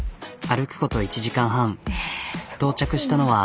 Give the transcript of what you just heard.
歩くこと１時間半到着したのは。